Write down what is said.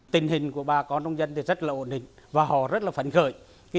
tình hình của bà con dân thì rất là ổn định và họ rất là phấn khởi